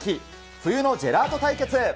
冬のジェラート対決。